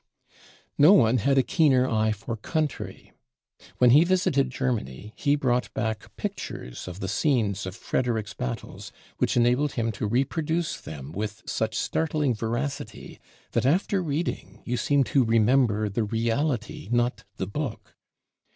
No one had a keener eye for country. When he visited Germany he brought back pictures of the scenes of Frederick's battles, which enabled him to reproduce them with such startling veracity that after reading you seem to remember the reality, not the book.